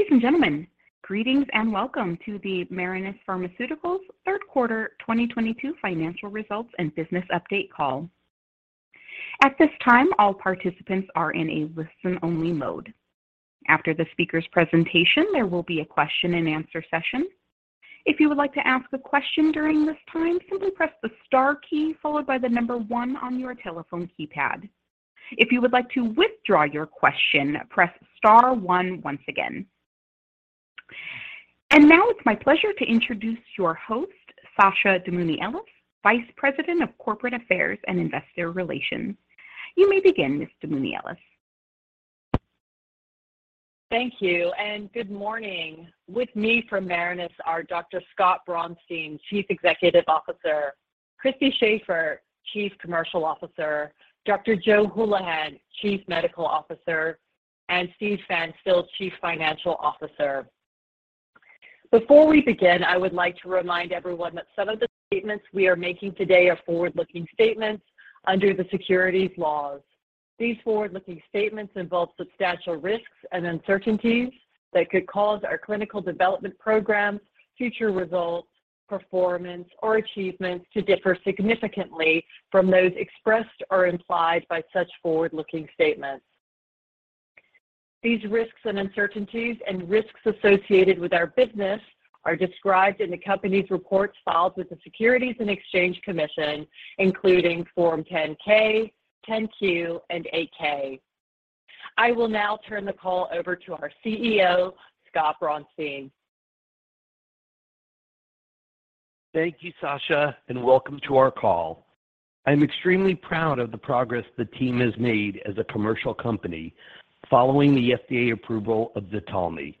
Ladies and gentlemen, greetings and welcome to the Marinus Pharmaceuticals Third Quarter 2022 Financial Results and Business Update Call. At this time, all participants are in a listen-only mode. After the speaker's presentation, there will be a question and answer session. If you would like to ask a question during this time, simply press the star key followed by the number one on your telephone keypad. If you would like to withdraw your question, press star one once again. Now it's my pleasure to introduce your host, Sasha Damouni Ellis, Vice President of Corporate Affairs and Investor Relations. You may begin, Ms. Damouni Ellis. Thank you, and good morning. With me from Marinus are Dr. Scott Braunstein, Chief Executive Officer, Christy Shafer, Chief Commercial Officer, Dr. Joseph Hulihan, Chief Medical Officer, and Steven Pfanstiel, Chief Financial Officer. Before we begin, I would like to remind everyone that some of the statements we are making today are forward-looking statements under the securities laws. These forward-looking statements involve substantial risks and uncertainties that could cause our clinical development programs, future results, performance, or achievements to differ significantly from those expressed or implied by such forward-looking statements. These risks and uncertainties and risks associated with our business are described in the company's reports filed with the Securities and Exchange Commission, including Form 10-K, 10-Q, and 8-K. I will now turn the call over to our CEO, Scott Braunstein. Thank you, Sasha, and welcome to our call. I'm extremely proud of the progress the team has made as a commercial company following the FDA approval of ZTALMY.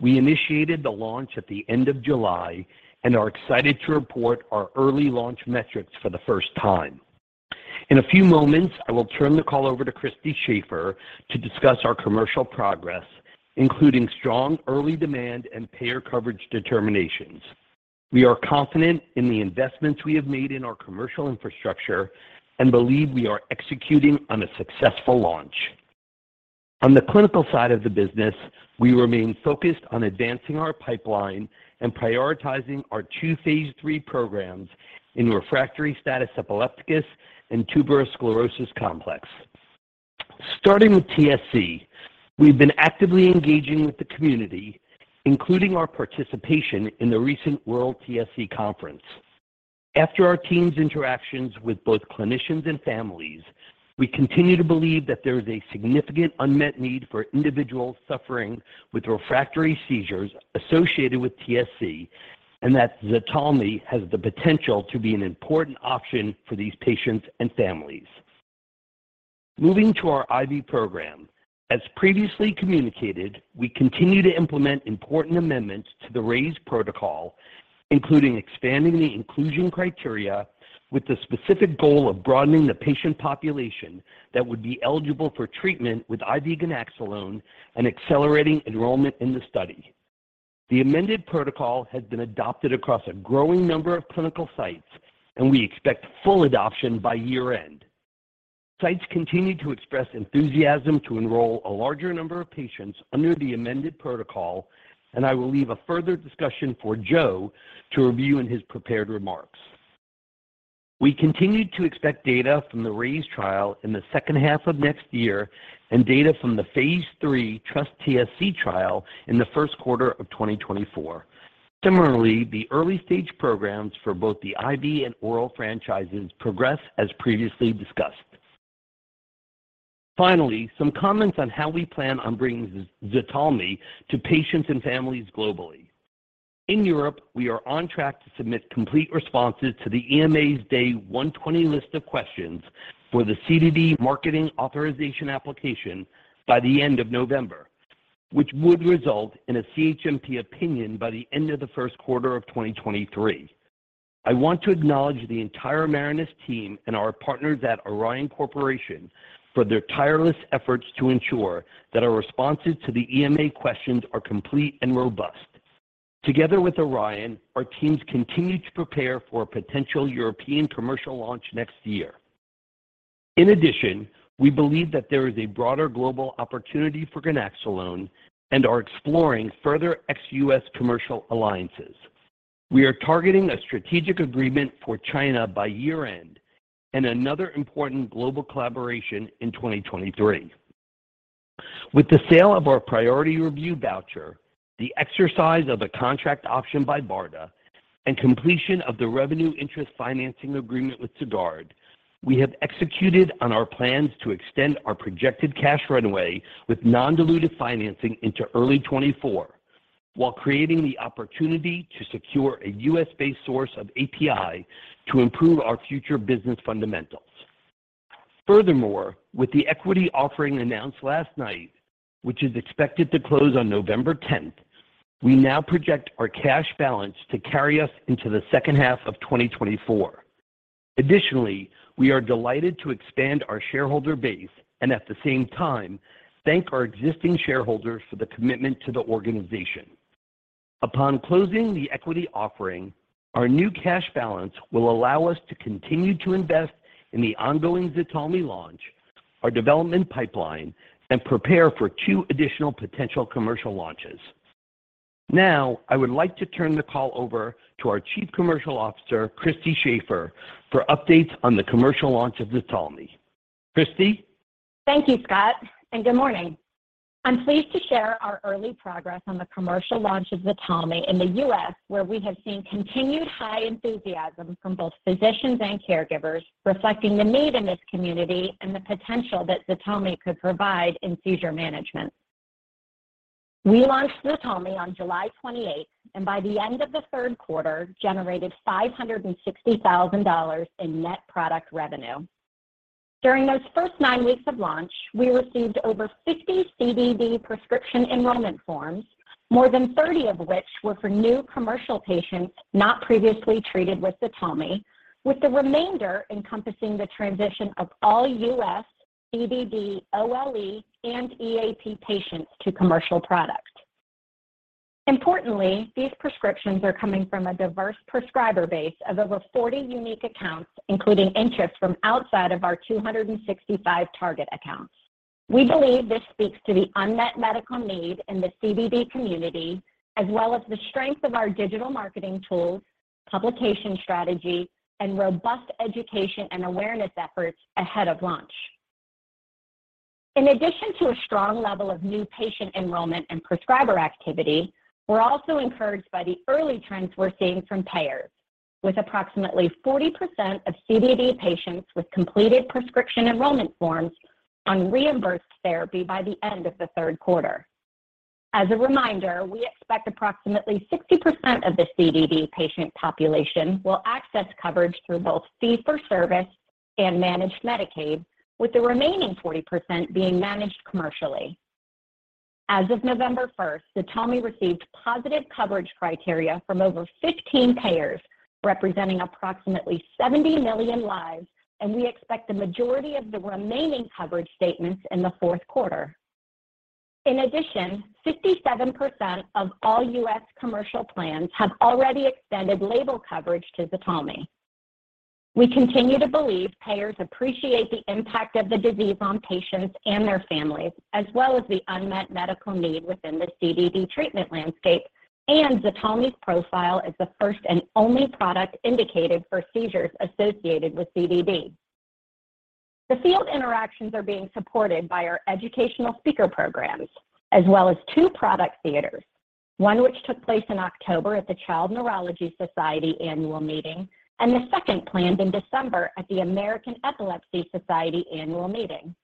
We initiated the launch at the end of July and are excited to report our early launch metrics for the first time. In a few moments, I will turn the call over to Christy Shafer to discuss our commercial progress, including strong early demand and payer coverage determinations. We are confident in the investments we have made in our commercial infrastructure and believe we are executing on a successful launch. On the clinical side of the business, we remain focused on advancing our pipeline and prioritizing our two phase III programs in refractory status epilepticus and tuberous sclerosis complex. Starting with TSC, we've been actively engaging with the community, including our participation in the recent TSC World Conference. After our team's interactions with both clinicians and families, we continue to believe that there is a significant unmet need for individuals suffering with refractory seizures associated with TSC, and that ZTALMY has the potential to be an important option for these patients and families. Moving to our IV program. As previously communicated, we continue to implement important amendments to the RAISE protocol, including expanding the inclusion criteria with the specific goal of broadening the patient population that would be eligible for treatment with IV ganaxolone and accelerating enrollment in the study. The amended protocol has been adopted across a growing number of clinical sites. We expect full adoption by year-end. Sites continue to express enthusiasm to enroll a larger number of patients under the amended protocol. I will leave a further discussion for Joe to review in his prepared remarks. We continue to expect data from the RAISE trial in the second half of next year and data from the phase III TrustTSC trial in the first quarter of 2024. Similarly, the early-stage programs for both the IV and oral franchises progress as previously discussed. Finally, some comments on how we plan on bringing ZTALMY to patients and families globally. In Europe, we are on track to submit complete responses to the EMA's Day 120 list of questions for the CDD marketing authorization application by the end of November, which would result in a CHMP opinion by the end of the first quarter of 2023. I want to acknowledge the entire Marinus team and our partners at Orion Corporation for their tireless efforts to ensure that our responses to the EMA questions are complete and robust. Together with Orion, our teams continue to prepare for a potential European commercial launch next year. We believe that there is a broader global opportunity for ganaxolone and are exploring further ex-U.S. commercial alliances. We are targeting a strategic agreement for China by year-end and another important global collaboration in 2023. With the sale of our priority review voucher, the exercise of a contract option by BARDA, and completion of the revenue interest financing agreement with Sagard, we have executed on our plans to extend our projected cash runway with non-diluted financing into early 2024 while creating the opportunity to secure a U.S.-based source of API to improve our future business fundamentals. With the equity offering announced last night, which is expected to close on November 10th, we now project our cash balance to carry us into the second half of 2024. We are delighted to expand our shareholder base and at the same time thank our existing shareholders for the commitment to the organization. Upon closing the equity offering, our new cash balance will allow us to continue to invest in the ongoing ZTALMY launch, our development pipeline, and prepare for two additional potential commercial launches. I would like to turn the call over to our Chief Commercial Officer, Christy Shafer, for updates on the commercial launch of ZTALMY. Christy? Thank you, Scott. Good morning. I'm pleased to share our early progress on the commercial launch of ZTALMY in the U.S., where we have seen continued high enthusiasm from both physicians and caregivers, reflecting the need in this community and the potential that ZTALMY could provide in seizure management. We launched ZTALMY on July 28th, and by the end of the third quarter, generated $560,000 in net product revenue. During those first nine weeks of launch, we received over 50 CDD prescription enrollment forms, more than 30 of which were for new commercial patients not previously treated with ZTALMY, with the remainder encompassing the transition of all U.S. CDD OLE and EAP patients to commercial product. Importantly, these prescriptions are coming from a diverse prescriber base of over 40 unique accounts, including interest from outside of our 265 target accounts. We believe this speaks to the unmet medical need in the CDD community, as well as the strength of our digital marketing tools, publication strategy, and robust education and awareness efforts ahead of launch. In addition to a strong level of new patient enrollment and prescriber activity, we're also encouraged by the early trends we're seeing from payers, with approximately 40% of CDD patients with completed prescription enrollment forms on reimbursed therapy by the end of the third quarter. As a reminder, we expect approximately 60% of the CDD patient population will access coverage through both fee-for-service and managed Medicaid, with the remaining 40% being managed commercially. As of November 1st, ZTALMY received positive coverage criteria from over 15 payers, representing approximately 70 million lives, and we expect the majority of the remaining coverage statements in the fourth quarter. In addition, 57% of all U.S. commercial plans have already extended label coverage to ZTALMY. We continue to believe payers appreciate the impact of the disease on patients and their families, as well as the unmet medical need within the CDD treatment landscape and ZTALMY's profile as the first and only product indicated for seizures associated with CDD. The field interactions are being supported by our educational speaker programs, as well as two product theaters. One which took place in October at the Child Neurology Society annual meeting, and the second planned in December at the American Epilepsy Society annual meeting.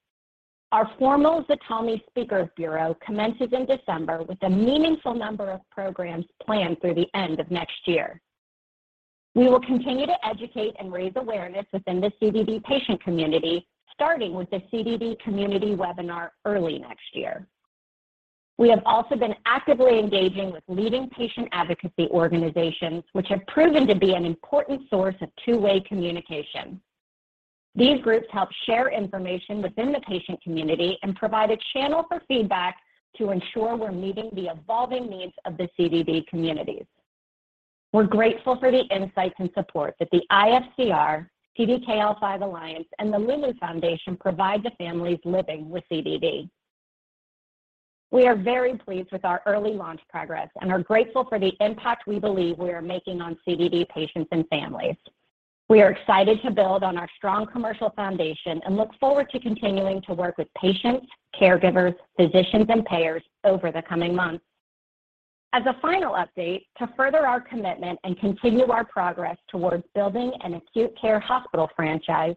Our formal ZTALMY speakers bureau commences in December with a meaningful number of programs planned through the end of next year. We will continue to educate and raise awareness within the CDD patient community, starting with the CDD community webinar early next year. We have also been actively engaging with leading patient advocacy organizations, which have proven to be an important source of two-way communication. These groups help share information within the patient community and provide a channel for feedback to ensure we're meeting the evolving needs of the CDD communities. We're grateful for the insights and support that the IFCR, CDKL5 Alliance, and the Loulou Foundation provide to families living with CDD. We are very pleased with our early launch progress and are grateful for the impact we believe we are making on CDD patients and families. We are excited to build on our strong commercial foundation and look forward to continuing to work with patients, caregivers, physicians, and payers over the coming months. As a final update, to further our commitment and continue our progress towards building an acute care hospital franchise,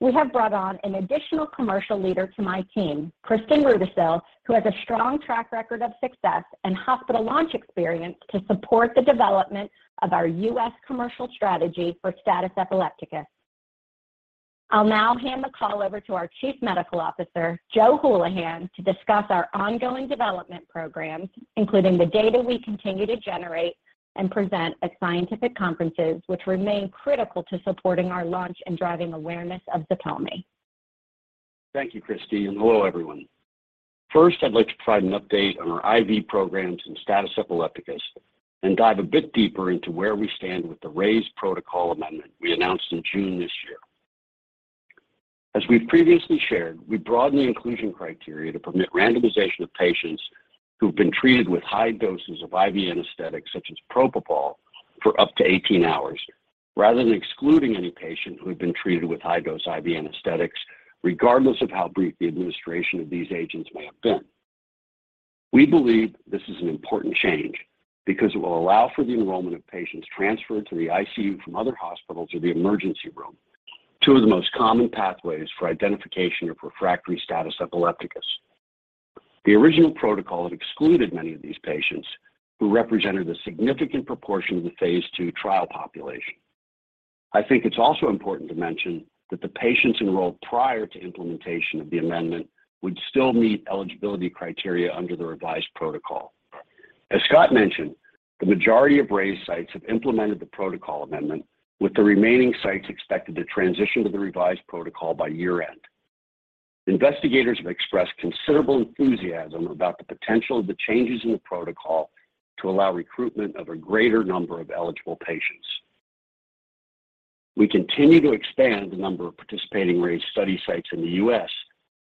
we have brought on an additional commercial leader to my team, Kristin Rudisill, who has a strong track record of success and hospital launch experience to support the development of our U.S. commercial strategy for status epilepticus. I will now hand the call over to our Chief Medical Officer, Joe Hulihan, to discuss our ongoing development programs, including the data we continue to generate and present at scientific conferences, which remain critical to supporting our launch and driving awareness of ZTALMY. Thank you, Christy, and hello, everyone. First, I'd like to provide an update on our IV programs and status epilepticus and dive a bit deeper into where we stand with the RAISE protocol amendment we announced in June this year. As we've previously shared, we broadened the inclusion criteria to permit randomization of patients who've been treated with high doses of IV anesthetics, such as propofol, for up to 18 hours, rather than excluding any patient who had been treated with high-dose IV anesthetics, regardless of how brief the administration of these agents may have been. We believe this is an important change because it will allow for the enrollment of patients transferred to the ICU from other hospitals or the emergency room, two of the most common pathways for identification of Refractory Status Epilepticus. The original protocol had excluded many of these patients who represented a significant proportion of the phase II trial population. I think it's also important to mention that the patients enrolled prior to implementation of the amendment would still meet eligibility criteria under the revised protocol. As Scott mentioned, the majority of RAISE sites have implemented the protocol amendment, with the remaining sites expected to transition to the revised protocol by year-end. Investigators have expressed considerable enthusiasm about the potential of the changes in the protocol to allow recruitment of a greater number of eligible patients. We continue to expand the number of participating RAISE study sites in the U.S.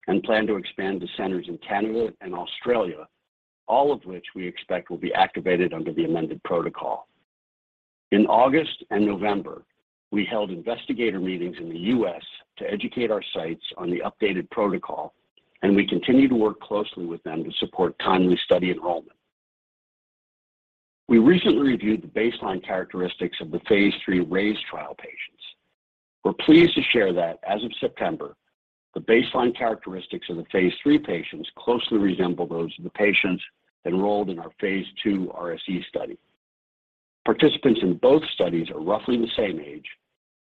and plan to expand to centers in Canada and Australia, all of which we expect will be activated under the amended protocol. In August and November, we held investigator meetings in the U.S. to educate our sites on the updated protocol, and we continue to work closely with them to support timely study enrollment. We recently reviewed the baseline characteristics of the phase III RAISE trial patients. We're pleased to share that as of September, the baseline characteristics of the phase III patients closely resemble those of the patients enrolled in our phase II RSE study. Participants in both studies are roughly the same age.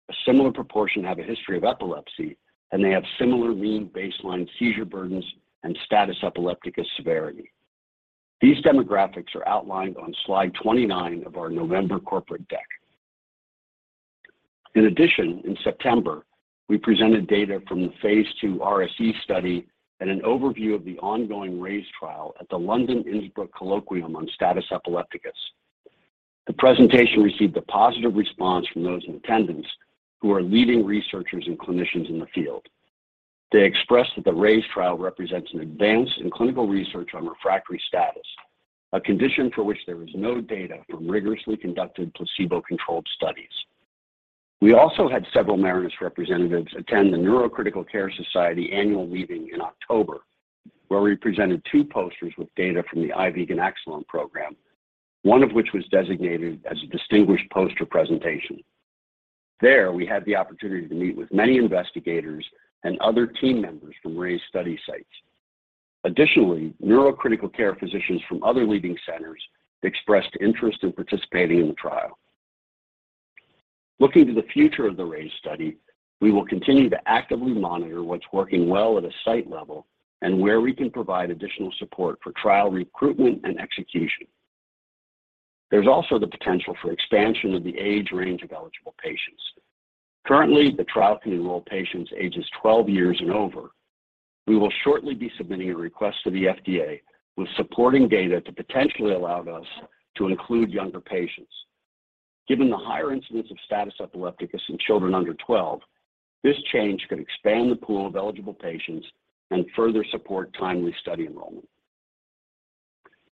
A similar proportion have a history of epilepsy, and they have similar mean baseline seizure burdens and status epilepticus severity. These demographics are outlined on slide 29 of our November corporate deck. In addition, in September, we presented data from the phase II RSE study and an overview of the ongoing RAISE trial at the London-Innsbruck Colloquium on Status Epilepticus. The presentation received a positive response from those in attendance who are leading researchers and clinicians in the field. They expressed that the RAISE trial represents an advance in clinical research on refractory status, a condition for which there is no data from rigorously conducted placebo-controlled studies. We also had several Marinus representatives attend the Neurocritical Care Society annual meeting in October, where we presented two posters with data from the IV ganaxolone program, one of which was designated as a distinguished poster presentation. There, we had the opportunity to meet with many investigators and other team members from RAISE study sites. Additionally, neurocritical care physicians from other leading centers expressed interest in participating in the trial. Looking to the future of the RAISE study, we will continue to actively monitor what's working well at a site level and where we can provide additional support for trial recruitment and execution. There's also the potential for expansion of the age range of eligible patients. Currently, the trial can enroll patients ages 12 years and over. We will shortly be submitting a request to the FDA with supporting data to potentially allow us to include younger patients. Given the higher incidence of status epilepticus in children under 12, this change could expand the pool of eligible patients and further support timely study enrollment.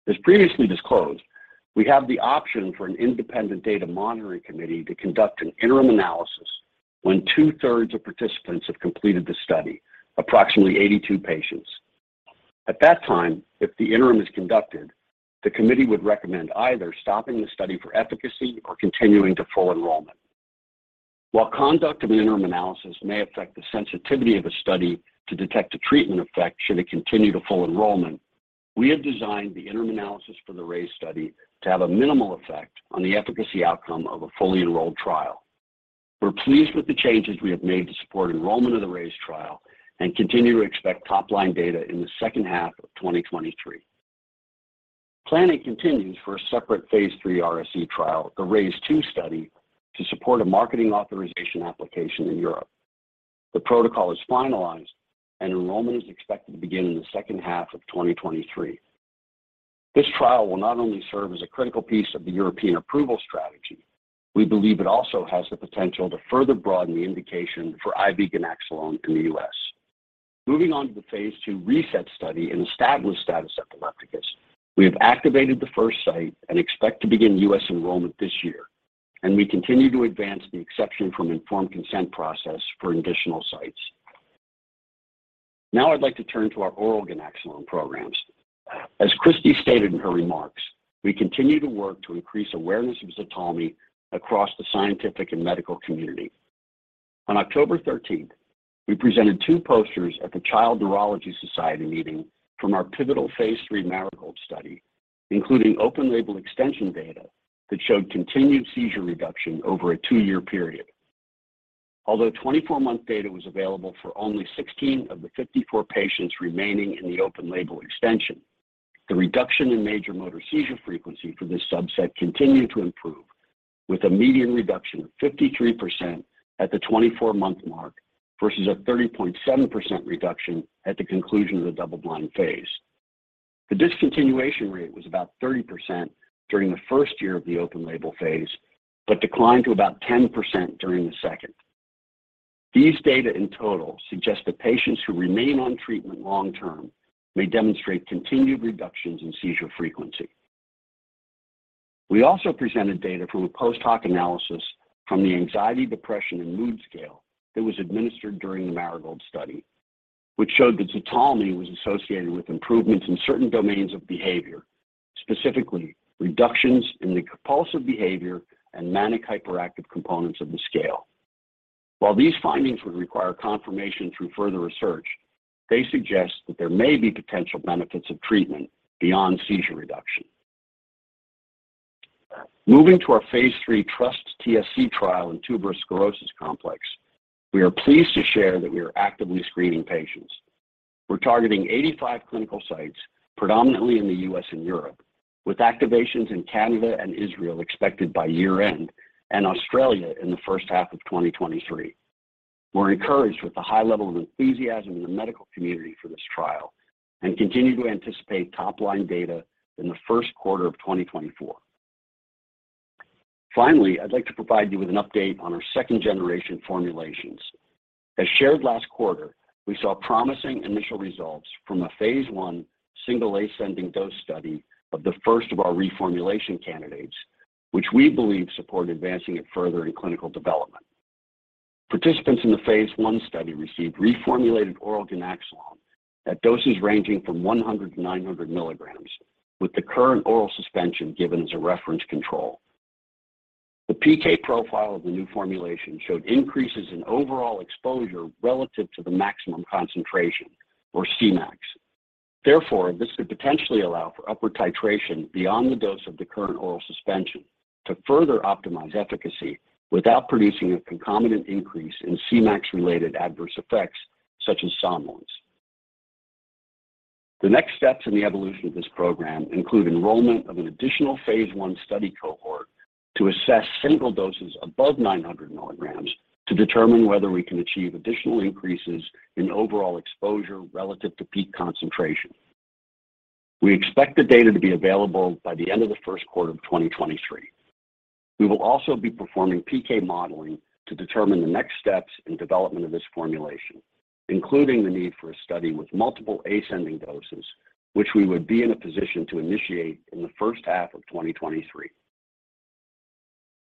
As previously disclosed, we have the option for an independent data monitoring committee to conduct an interim analysis when two-thirds of participants have completed the study, approximately 82 patients. At that time, if the interim is conducted, the committee would recommend either stopping the study for efficacy or continuing to full enrollment. While conduct of an interim analysis may affect the sensitivity of a study to detect a treatment effect should it continue to full enrollment, we have designed the interim analysis for the RAISE study to have a minimal effect on the efficacy outcome of a fully enrolled trial. We're pleased with the changes we have made to support enrollment of the RAISE trial and continue to expect top-line data in the second half of 2023. Planning continues for a separate phase III RSE trial, the RAISE II study, to support a marketing authorization application in Europe. The protocol is finalized, and enrollment is expected to begin in the second half of 2023. This trial will not only serve as a critical piece of the European approval strategy. We believe it also has the potential to further broaden the indication for IV ganaxolone in the U.S. Moving on to the phase II RESET study in established status epilepticus. We have activated the first site and expect to begin U.S. enrollment this year, and we continue to advance the exception from informed consent process for additional sites. Now I'd like to turn to our oral ganaxolone programs. As Christy stated in her remarks, we continue to work to increase awareness of ZTALMY across the scientific and medical community. On October 13th, we presented two posters at the Child Neurology Society meeting from our pivotal phase III Marigold study, including open label extension data that showed continued seizure reduction over a two-year period. Although 24-month data was available for only 16 of the 54 patients remaining in the open label extension, the reduction in major motor seizure frequency for this subset continued to improve with a median reduction of 53% at the 24-month mark versus a 30.7% reduction at the conclusion of the double-blind phase. The discontinuation rate was about 30% during the first year of the open label phase, but declined to about 10% during the second. These data in total suggest that patients who remain on treatment long term may demonstrate continued reductions in seizure frequency. We also presented data from a post hoc analysis from the anxiety, depression, and mood scale that was administered during the Marigold study, which showed that ZTALMY was associated with improvements in certain domains of behavior, specifically reductions in the compulsive behavior and manic hyperactive components of the scale. While these findings would require confirmation through further research, they suggest that there may be potential benefits of treatment beyond seizure reduction. Moving to our phase III TrustTSC trial in Tuberous Sclerosis Complex, we are pleased to share that we are actively screening patients. We're targeting 85 clinical sites, predominantly in the U.S. and Europe. With activations in Canada and Israel expected by year-end, and Australia in the first half of 2023. We're encouraged with the high level of enthusiasm in the medical community for this trial and continue to anticipate top-line data in the first quarter of 2024. Finally, I'd like to provide you with an update on our second-generation formulations. As shared last quarter, we saw promising initial results from a phase I single ascending dose study of the first of our reformulation candidates, which we believe support advancing it further in clinical development. Participants in the phase I study received reformulated oral ganaxolone at doses ranging from 100 to 900 milligrams, with the current oral suspension given as a reference control. The PK profile of the new formulation showed increases in overall exposure relative to the maximum concentration, or Cmax. Therefore, this could potentially allow for upward titration beyond the dose of the current oral suspension to further optimize efficacy without producing a concomitant increase in Cmax-related adverse effects such as somnolence. The next steps in the evolution of this program include enrollment of an additional phase I study cohort to assess single doses above 900 milligrams to determine whether we can achieve additional increases in overall exposure relative to peak concentration. We expect the data to be available by the end of the first quarter of 2023. We will also be performing PK modeling to determine the next steps in development of this formulation, including the need for a study with multiple ascending doses, which we would be in a position to initiate in the first half of 2023.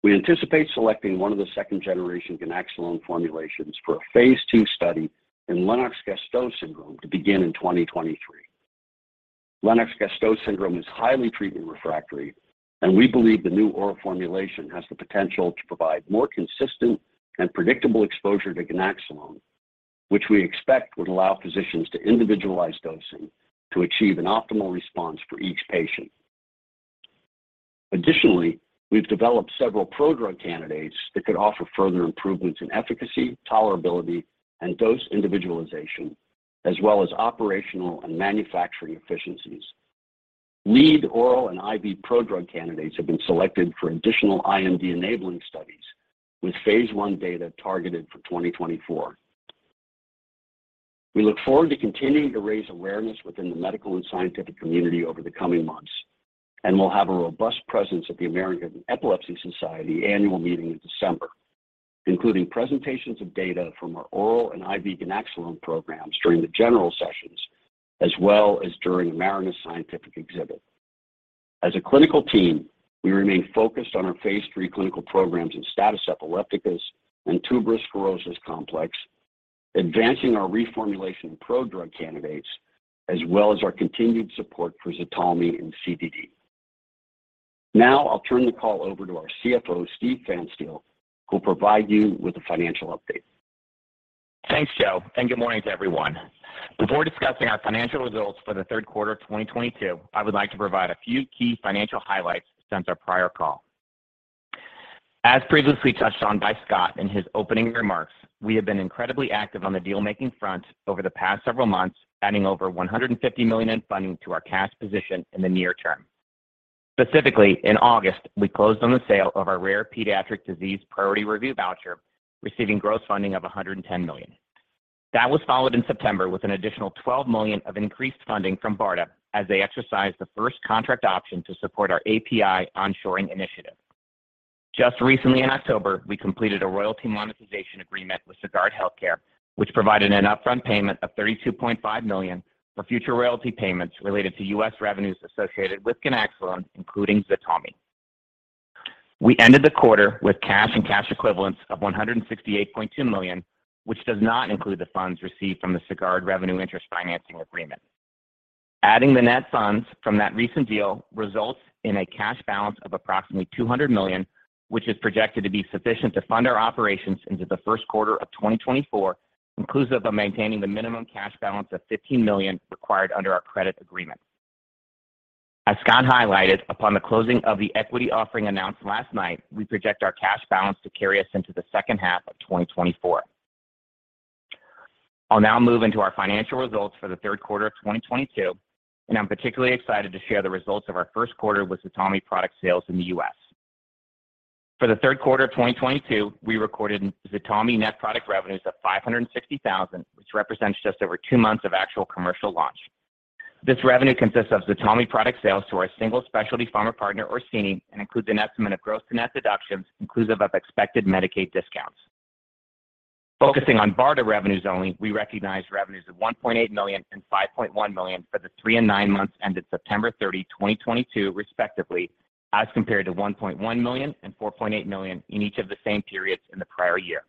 We anticipate selecting one of the second-generation ganaxolone formulations for a phase II study in Lennox-Gastaut syndrome to begin in 2023. Lennox-Gastaut syndrome is highly treatment refractory, and we believe the new oral formulation has the potential to provide more consistent and predictable exposure to ganaxolone, which we expect would allow physicians to individualize dosing to achieve an optimal response for each patient. Additionally, we've developed several prodrug candidates that could offer further improvements in efficacy, tolerability, and dose individualization, as well as operational and manufacturing efficiencies. Lead oral and IV prodrug candidates have been selected for additional IND-enabling studies, with phase I data targeted for 2024. We look forward to continuing to raise awareness within the medical and scientific community over the coming months. We'll have a robust presence at the American Epilepsy Society Annual Meeting in December, including presentations of data from our oral and IV ganaxolone programs during the general sessions, as well as during Marinus scientific exhibit. As a clinical team, we remain focused on our phase III clinical programs in status epilepticus and Tuberous Sclerosis Complex, advancing our reformulation prodrug candidates, as well as our continued support for ZTALMY in CDD. I'll turn the call over to our CFO, Steven Pfanstiel, who will provide you with a financial update. Thanks, Joe, and good morning to everyone. Before discussing our financial results for the third quarter of 2022, I would like to provide a few key financial highlights since our prior call. As previously touched on by Scott in his opening remarks, we have been incredibly active on the deal-making front over the past several months, adding over $150 million in funding to our cash position in the near term. Specifically, in August, we closed on the sale of our rare pediatric disease priority review voucher, receiving gross funding of $110 million. That was followed in September with an additional $12 million of increased funding from BARDA as they exercised the first contract option to support our API onshoring initiative. Recently in October, we completed a royalty monetization agreement with Sagard Healthcare, which provided an upfront payment of $32.5 million for future royalty payments related to U.S. revenues associated with ganaxolone, including ZTALMY. We ended the quarter with cash and cash equivalents of $168.2 million, which does not include the funds received from the Sagard revenue interest financing agreement. Adding the net funds from that recent deal results in a cash balance of approximately $200 million, which is projected to be sufficient to fund our operations into the first quarter of 2024, inclusive of maintaining the minimum cash balance of $15 million required under our credit agreement. As Scott highlighted, upon the closing of the equity offering announced last night, we project our cash balance to carry us into the second half of 2024. I'll move into our financial results for the third quarter of 2022. I'm particularly excited to share the results of our first quarter with ZTALMY product sales in the U.S. For the third quarter of 2022, we recorded ZTALMY net product revenues of $560,000, which represents just over two months of actual commercial launch. This revenue consists of ZTALMY product sales to our single specialty pharma partner, Orsini, and includes an estimate of gross and net deductions inclusive of expected Medicaid discounts. Focusing on BARDA revenues only, we recognized revenues of $1.8 million and $5.1 million for the three and nine months ended September 30, 2022, respectively, as compared to $1.1 million and $4.8 million in each of the same periods in the prior year.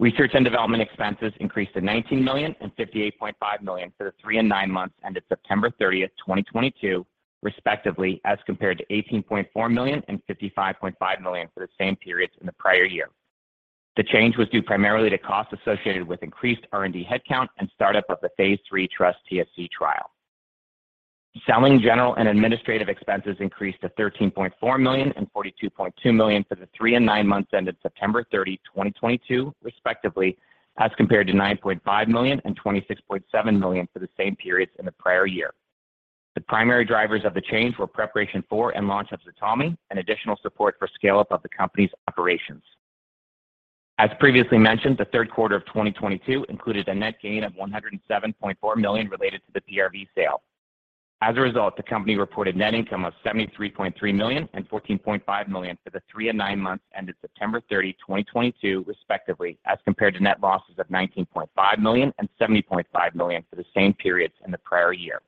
Research and development expenses increased to $19 million and $58.5 million for the three and nine months ended September 30, 2022, respectively, as compared to $18.4 million and $55.5 million for the same periods in the prior year. The change was due primarily to costs associated with increased R&D headcount and startup of the phase III TrustTSC trial. Selling, general, and administrative expenses increased to $13.4 million and $42.2 million for the three and nine months ended September 30, 2022, respectively, as compared to $9.5 million and $26.7 million for the same periods in the prior year. The primary drivers of the change were preparation for and launch of ZTALMY and additional support for scale-up of the company's operations. As previously mentioned, the third quarter of 2022 included a net gain of $107.4 million related to the PRV sale. As a result, the company reported net income of $73.3 million and $14.5 million for the three and nine months ended September 30, 2022, respectively, as compared to net losses of $19.5 million and $70.5 million for the same periods in the prior year.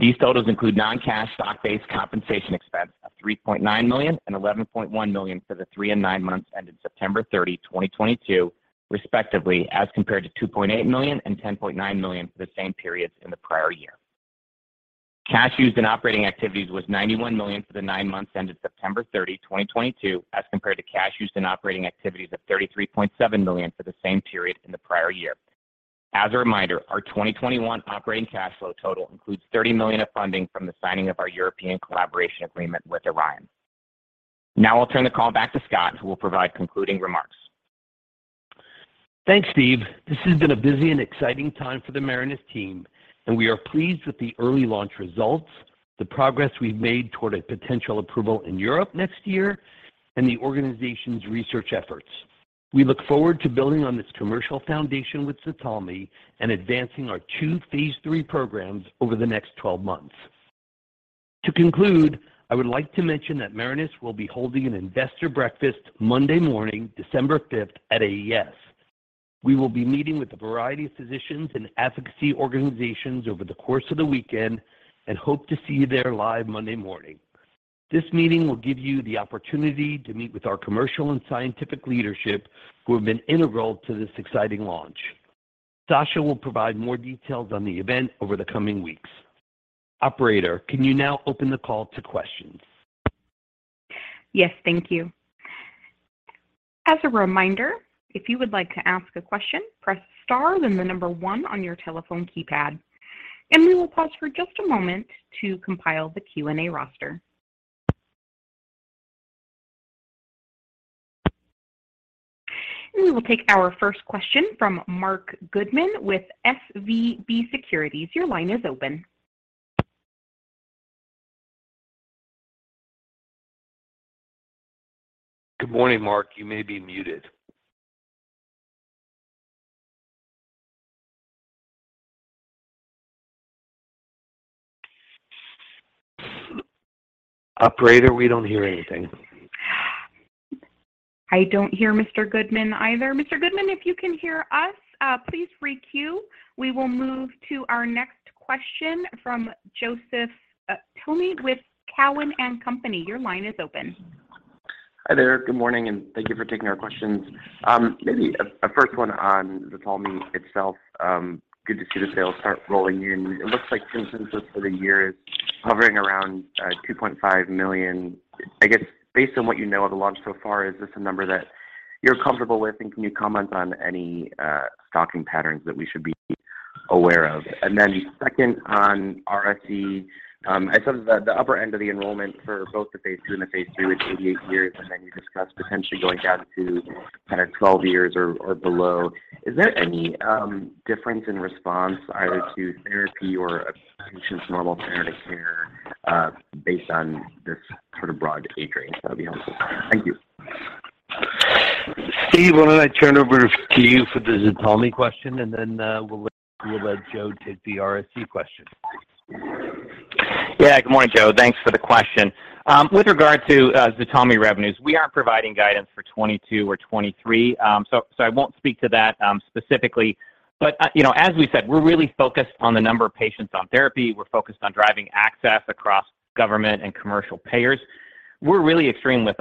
These totals include non-cash stock-based compensation expense of $3.9 million and $11.1 million for the three and nine months ended September 30, 2022, respectively, as compared to $2.8 million and $10.9 million for the same periods in the prior year. Cash used in operating activities was $91 million for the nine months ended September 30, 2022, as compared to cash used in operating activities of $33.7 million for the same period in the prior year. As a reminder, our 2021 operating cash flow total includes $30 million of funding from the signing of our European collaboration agreement with Orion. I'll turn the call back to Scott, who will provide concluding remarks. Thanks, Steve. This has been a busy and exciting time for the Marinus team, and we are pleased with the early launch results, the progress we've made toward a potential approval in Europe next year, and the organization's research efforts. We look forward to building on this commercial foundation with ZTALMY and advancing our two phase III programs over the next 12 months. To conclude, I would like to mention that Marinus will be holding an investor breakfast Monday morning, December 5th, at AES. We will be meeting with a variety of physicians and advocacy organizations over the course of the weekend and hope to see you there live Monday morning. This meeting will give you the opportunity to meet with our commercial and scientific leadership who have been integral to this exciting launch. Sasha will provide more details on the event over the coming weeks. Operator, can you now open the call to questions? Yes, thank you. As a reminder, if you would like to ask a question, press star, then the number one on your telephone keypad, and we will pause for just a moment to compile the Q&A roster. We will take our first question from Marc Goodman with SVB Securities. Your line is open. Good morning, Marc. You may be muted. Operator, we don't hear anything. I don't hear Mr. Goodman either. Mr. Goodman, if you can hear us, please re-queue. We will move to our next question from Joseph Thome with Cowen and Company. Your line is open. Hi there. Good morning, and thank you for taking our questions. Maybe a first one on ZTALMY itself. Good to see the sales start rolling in. It looks like consensus for the year is hovering around $2.5 million. I guess, based on what you know of the launch so far, is this a number that you're comfortable with, and can you comment on any stocking patterns that we should be aware of? Second on RSE, I saw that the upper end of the enrollment for both the phase II and the phase III was 88 years, and you discussed potentially going down to 12 years or below. Is there any difference in response either to therapy or a patient's normal standard of care based on this sort of broad age range that would be helpful. Thank you. Steve, why don't I turn it over to you for the ZTALMY question, we'll let Joe take the RSE question. Good morning, Joe. Thanks for the question. With regard to ZTALMY revenues, we aren't providing guidance for 2022 or 2023. I won't speak to that specifically. As we said, we're really focused on the number of patients on therapy. We're focused on driving access across government and commercial payers. We're really extremely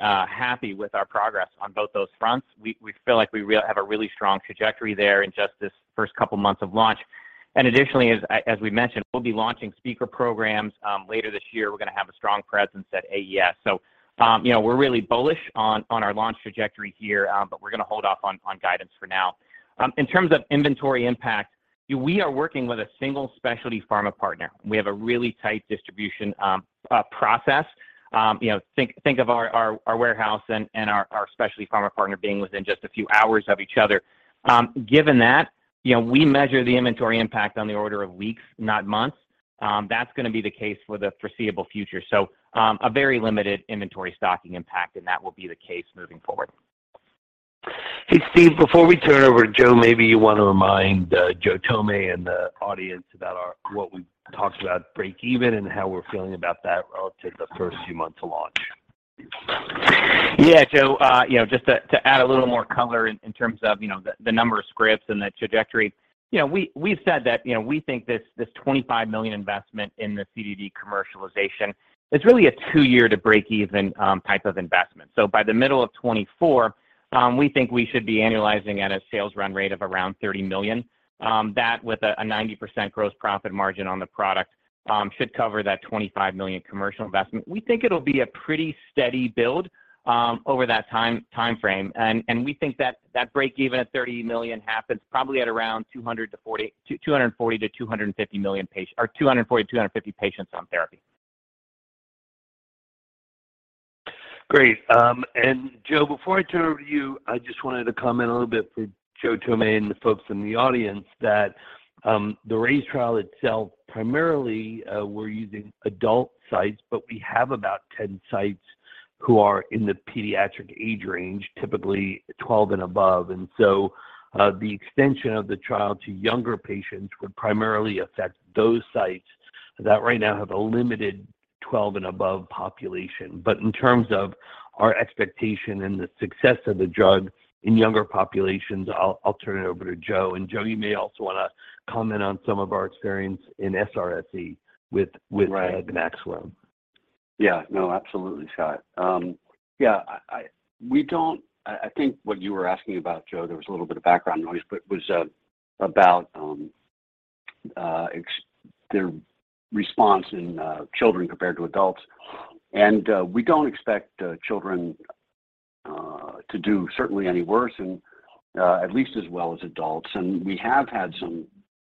happy with our progress on both those fronts. We feel like we have a really strong trajectory there in just this first couple months of launch. Additionally, as we mentioned, we'll be launching speaker programs later this year. We're going to have a strong presence at AES. We're really bullish on our launch trajectory here, but we're going to hold off on guidance for now. In terms of inventory impact, we are working with a single specialty pharma partner. We have a really tight distribution process. Think of our warehouse and our specialty pharma partner being within just a few hours of each other. Given that, we measure the inventory impact on the order of weeks, not months. That's going to be the case for the foreseeable future. A very limited inventory stocking impact, and that will be the case moving forward. Hey, Steve, before we turn it over to Joe, maybe you want to remind Joseph Thome and the audience about what we talked about breakeven and how we're feeling about that relative to the first few months of launch. Yeah, Joe. Just to add a little more color in terms of the number of scripts and the trajectory. We've said that we think this $25 million investment in the CDD commercialization is really a two-year to breakeven type of investment. By the middle of 2024, we think we should be annualizing at a sales run rate of around $30 million. That with a 90% gross profit margin on the product should cover that $25 million commercial investment. We think it'll be a pretty steady build over that time frame, and we think that breakeven at $30 million happens probably at around 240 to 250 patients on therapy. Great. Joe, before I turn it over to you, I just wanted to comment a little bit for Joseph Thome and the folks in the audience that the RAISE trial itself, primarily, we're using adult sites, but we have about 10 sites who are in the pediatric age range, typically 12 and above. The extension of the trial to younger patients would primarily affect those sites that right now have a limited 12 and above population. In terms of our expectation and the success of the drug in younger populations, I'll turn it over to Joe. Joe, you may also want to comment on some of our experience in SRSE with Right the ganaxolone. Yeah. No, absolutely, Scott. I think what you were asking about, Joe, there was a little bit of background noise, but was about the response in children compared to adults. We don't expect children to do certainly any worse and at least as well as adults.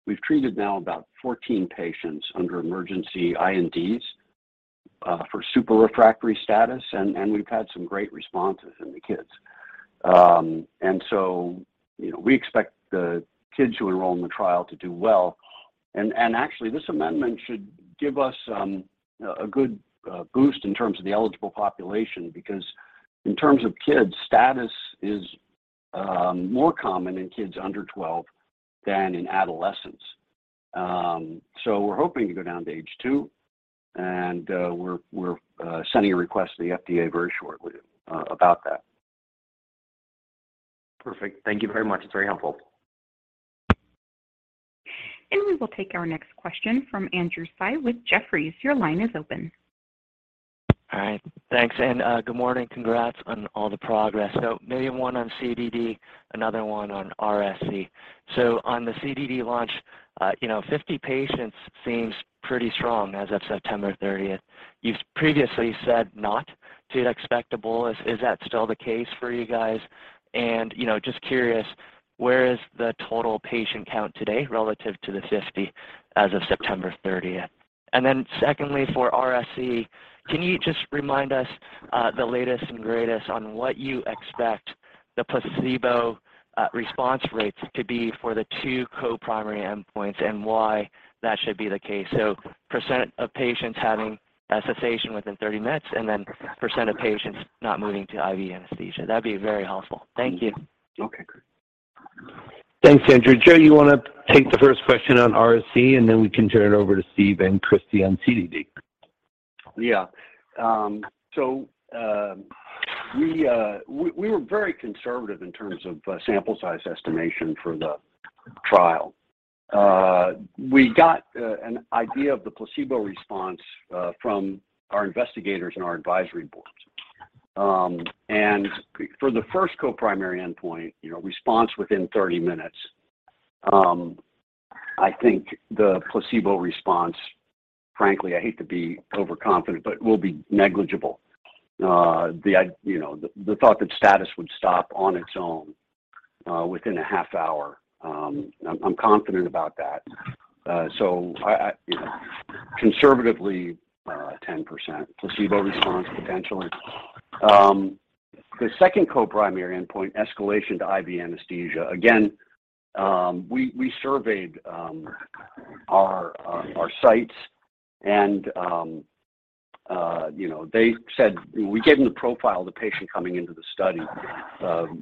We've treated now about 14 patients under emergency INDs for super refractory status, and we've had some great responses in the kids. We expect the kids who enroll in the trial to do well. Actually, this amendment should give us a good boost in terms of the eligible population, because in terms of kids, status is more common in kids under 12 than in adolescents. We're hoping to go down to age 2, and we're sending a request to the FDA very shortly about that. Perfect. Thank you very much. It's very helpful. We will take our next question from Andrew Tsai with Jefferies. Your line is open. All right. Thanks, and good morning. Congrats on all the progress. Maybe one on CDD, another one on RSE. On the CDD launch, 50 patients seems pretty strong as of September 30th. You've previously said not too expectable. Is that still the case for you guys? Just curious, where is the total patient count today relative to the 50 as of September 30th? Secondly, for RSE, can you just remind us the latest and greatest on what you expect the placebo response rates to be for the two co-primary endpoints and why that should be the case? So percent of patients having cessation within 30 minutes and then percent of patients not moving to IV anesthesia. That'd be very helpful. Thank you. Okay, great. Thanks, Andrew. Joe, you want to take the first question on RSE, and then we can turn it over to Steve and Christy on CDD? Yeah. We were very conservative in terms of sample size estimation for the trial. We got an idea of the placebo response from our investigators and our advisory boards. For the first co-primary endpoint, response within 30 minutes, I think the placebo response, frankly, I hate to be overconfident, but will be negligible. The thought that status would stop on its own within a half hour, I'm confident about that. Conservatively, 10% placebo response potentially. The second co-primary endpoint, escalation to IV anesthesia. Again, we surveyed our sites and they said we gave them the profile of the patient coming into the study.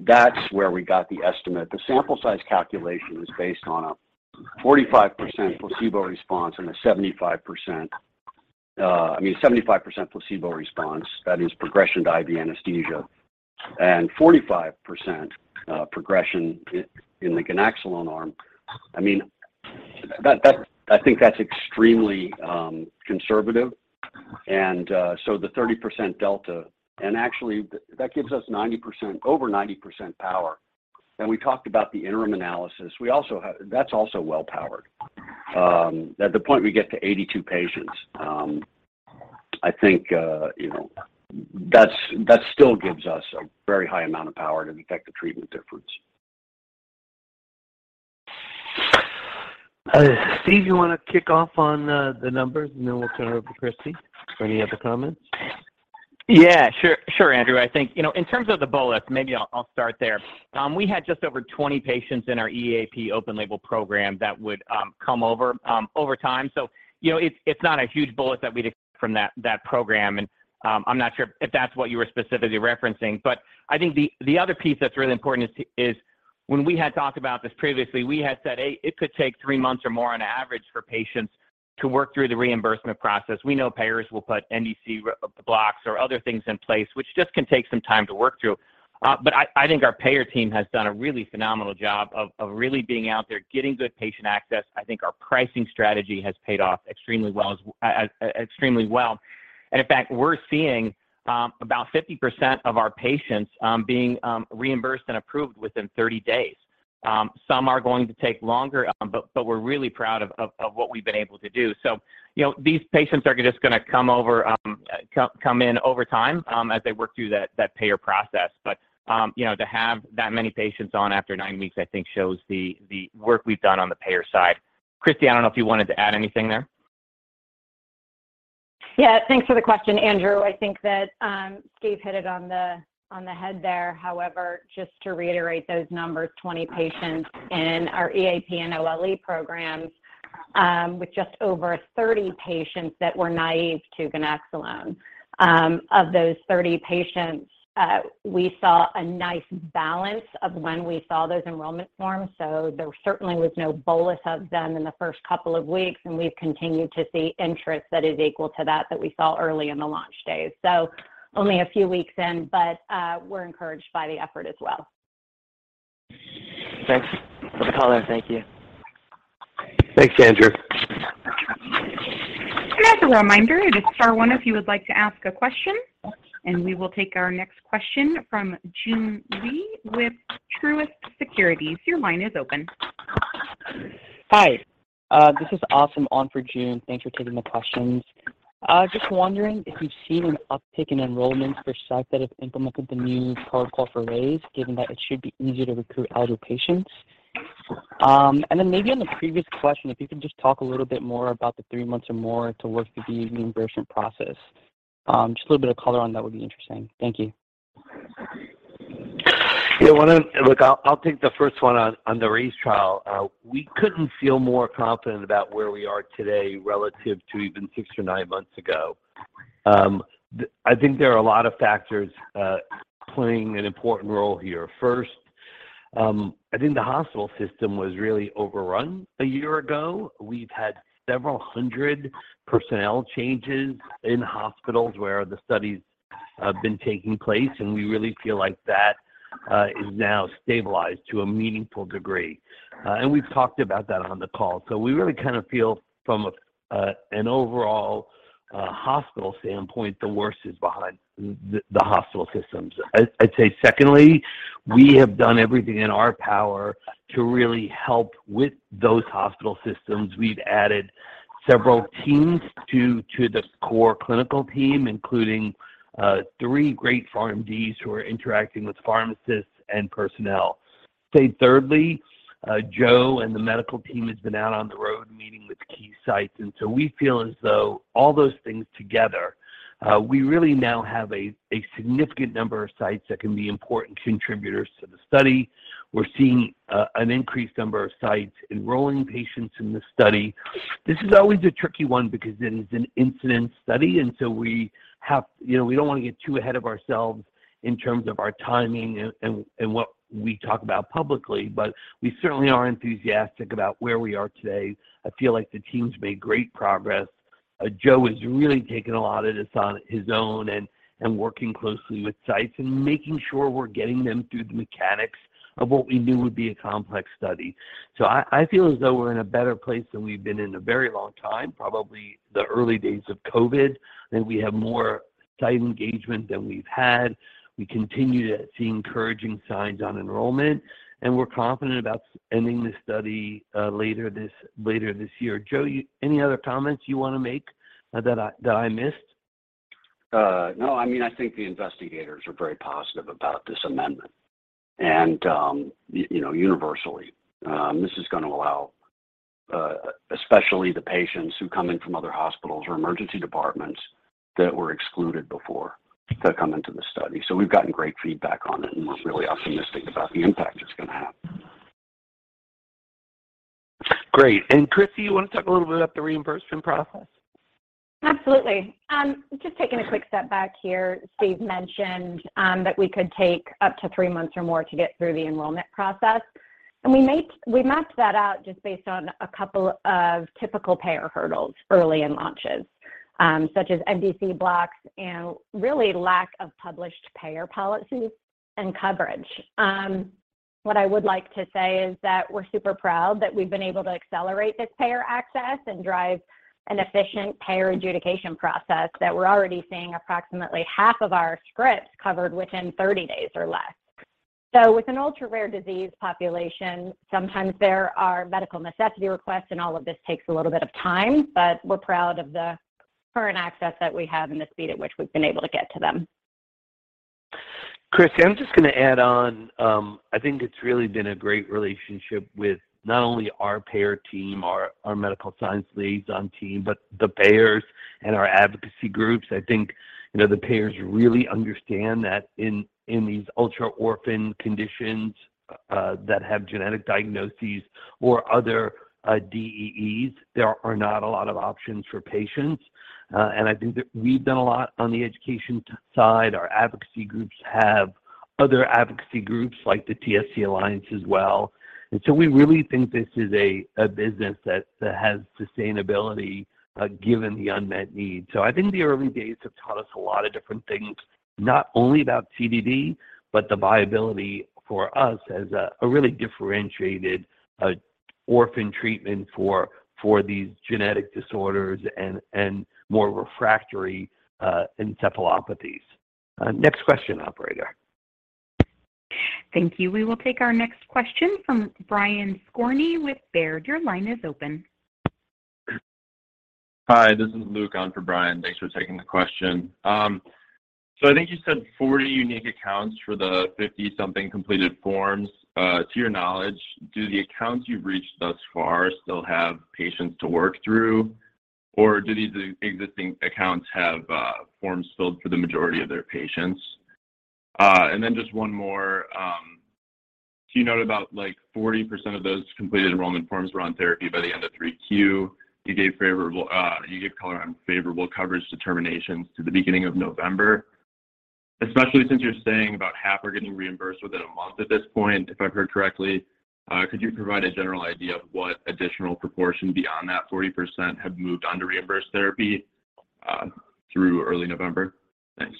That's where we got the estimate. The sample size calculation was based on a 45% placebo response and a 75% placebo response, that is progression to IV anesthesia, and 45% progression in the ganaxolone arm. I think that's extremely conservative. The 30% delta, and actually that gives us over 90% power. We talked about the interim analysis. That's also well powered. At the point we get to 82 patients, I think that still gives us a very high amount of power to detect the treatment difference. Steve, you want to kick off on the numbers, and then we'll turn it over to Christy for any other comments? Sure, Andrew. I think, in terms of the bolus, maybe I'll start there. We had just over 20 patients in our EAP open label program that would come over time. It's not a huge bolus that we'd expect from that program, and I'm not sure if that's what you were specifically referencing. I think the other piece that's really important is when we had talked about this previously, we had said it could take 3 months or more on average for patients to work through the reimbursement process. We know payers will put NDC blocks or other things in place, which just can take some time to work through. I think our payer team has done a really phenomenal job of really being out there getting good patient access. I think our pricing strategy has paid off extremely well. In fact, we're seeing about 50% of our patients being reimbursed and approved within 30 days. Some are going to take longer, but we're really proud of what we've been able to do. These patients are just going to come in over time as they work through that payer process. To have that many patients on after 9 weeks, I think shows the work we've done on the payer side. Christy, I don't know if you wanted to add anything there. Thanks for the question, Andrew. I think that Steve hit it on the head there. However, just to reiterate those numbers, 20 patients in our EAP and OLE programs, with just over 30 patients that were naive to ganaxolone. Of those 30 patients, we saw a nice balance of when we saw those enrollment forms. There certainly was no bolus of them in the first couple of weeks, and we've continued to see interest that is equal to that we saw early in the launch days. Only a few weeks in, but we're encouraged by the effort as well. Thanks for the color. Thank you. Thanks, Andrew. As a reminder, hit star one if you would like to ask a question. We will take our next question from Joon Lee with Truist Securities. Your line is open. Hi. This is Austen on for Joon. Thanks for taking the questions. Just wondering if you've seen an uptick in enrollments for sites that have implemented the new protocol for RAISE, given that it should be easier to recruit eligible patients. Then maybe on the previous question, if you could just talk a little bit more about the three months or more to work through the reimbursement process. Just a little bit of color on that would be interesting. Thank you. Yeah. Look, I'll take the first one on the RAISE trial. We couldn't feel more confident about where we are today relative to even six or nine months ago. I think there are a lot of factors playing an important role here. First, I think the hospital system was really overrun a year ago. We've had several hundred personnel changes in hospitals where the studies have been taking place, and we really feel like that is now stabilized to a meaningful degree. We've talked about that on the call. We really feel from an overall hospital standpoint, the worst is behind the hospital systems. I'd say secondly, we have done everything in our power to really help with those hospital systems. We've added several teams to the core clinical team, including three great PharmDs who are interacting with pharmacists and personnel. I'd say thirdly, Joe and the medical team has been out on the road meeting with key sites, we feel as though all those things together, we really now have a significant number of sites that can be important contributors to the study. We're seeing an increased number of sites enrolling patients in the study. This is always a tricky one because it is an incident study, we don't want to get too ahead of ourselves in terms of our timing and what we talk about publicly. We certainly are enthusiastic about where we are today. I feel like the team's made great progress. Joe has really taken a lot of this on his own and working closely with sites and making sure we're getting them through the mechanics of what we knew would be a complex study. I feel as though we're in a better place than we've been in a very long time, probably the early days of COVID, we have more site engagement than we've had. We continue to see encouraging signs on enrollment, we're confident about ending this study later this year. Joe, any other comments you want to make that I missed? No, I think the investigators are very positive about this amendment. Universally, this is going to allow, especially the patients who come in from other hospitals or emergency departments that were excluded before, to come into the study. We've gotten great feedback on it, we're really optimistic about the impact it's going to have. Great. Christy, you want to talk a little bit about the reimbursement process? Absolutely. Just taking a quick step back here. Steve mentioned that we could take up to three months or more to get through the enrollment process, we mapped that out just based on a couple of typical payer hurdles early in launches, such as NDC blocks and really lack of published payer policy and coverage. What I would like to say is that we're super proud that we've been able to accelerate this payer access and drive an efficient payer adjudication process that we're already seeing approximately half of our scripts covered within 30 days or less. With an ultra-rare disease population, sometimes there are medical necessity requests, all of this takes a little bit of time, we're proud of the current access that we have and the speed at which we've been able to get to them. Christy, I'm just going to add on. I think it's really been a great relationship with not only our payer team, our medical science liaison team, but the payers and our advocacy groups. I think the payers really understand that in these ultra-orphan conditions that have genetic diagnoses or other DEEs, there are not a lot of options for patients. I think that we've done a lot on the education side. Our advocacy groups have other advocacy groups like the TSC Alliance as well. We really think this is a business that has sustainability, given the unmet need. I think the early days have taught us a lot of different things, not only about CDD, but the viability for us as a really differentiated orphan treatment for these genetic disorders and more refractory encephalopathies. Next question, operator. Thank you. We will take our next question from Brian Skorney with Baird. Your line is open. Hi, this is Luke on for Brian. Thanks for taking the question. I think you said 40 unique accounts for the 50-something completed forms. To your knowledge, do the accounts you've reached thus far still have patients to work through? Or do these existing accounts have forms filled for the majority of their patients? Then just one more. You note about 40% of those completed enrollment forms were on therapy by the end of 3Q. You gave color on favorable coverage determinations to the beginning of November, especially since you're saying about half are getting reimbursed within a month at this point, if I've heard correctly. Could you provide a general idea of what additional proportion beyond that 40% have moved on to reimbursed therapy through early November? Thanks.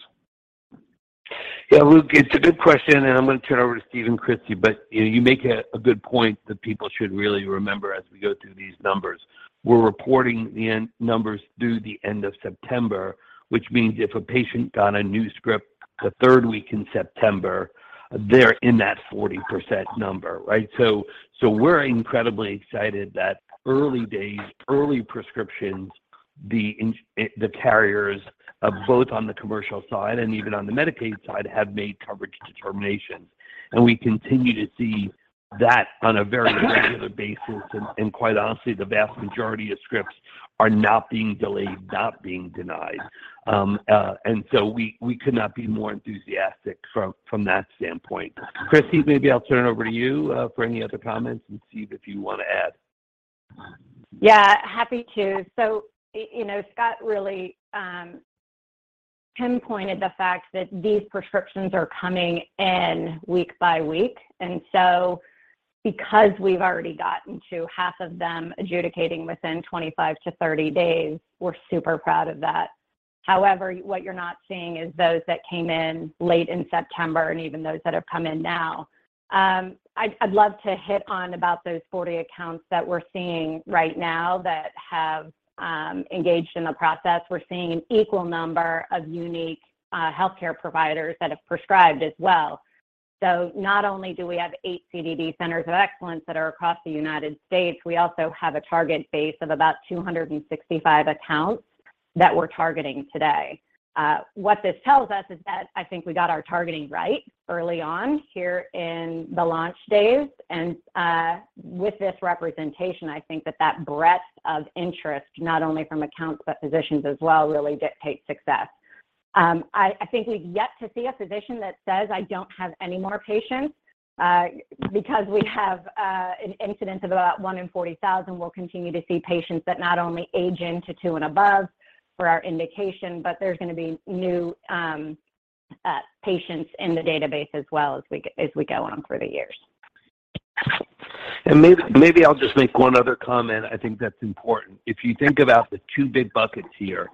Luke, it's a good question. I'm going to turn it over to Steve and Christy, but you make a good point that people should really remember as we go through these numbers. We're reporting the end numbers through the end of September, which means if a patient got a new script the third week in September, they're in that 40% number, right? We're incredibly excited that early days, early prescriptions, the carriers, both on the commercial side and even on the Medicaid side, have made coverage determinations. We continue to see that on a very regular basis. Quite honestly, the vast majority of scripts are not being delayed, not being denied. We could not be more enthusiastic from that standpoint. Christy, maybe I'll turn it over to you for any other comments. Steve, if you want to add. Happy to. Scott really pinpointed the fact that these prescriptions are coming in week by week. Because we've already gotten to half of them adjudicating within 25 to 30 days, we're super proud of that. However, what you're not seeing is those that came in late in September and even those that have come in now. I'd love to hit on about those 40 accounts that we're seeing right now that have engaged in the process. We're seeing an equal number of unique healthcare providers that have prescribed as well. Not only do we have 8 CDD centers of excellence that are across the United States, we also have a target base of about 265 accounts that we're targeting today. What this tells us is that I think we got our targeting right early on here in the launch days. With this representation, I think that that breadth of interest, not only from accounts, but physicians as well, really dictates success. I think we've yet to see a physician that says, "I don't have any more patients." Because we have an incidence of about one in 40,000, we'll continue to see patients that not only age into 2 and above for our indication, but there's going to be new patients in the database as well as we go on through the years. Maybe I'll just make one other comment I think that's important. If you think about the two big buckets here,